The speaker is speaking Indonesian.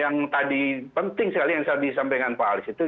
yang tadi penting sekali yang disampaikan pak alex itu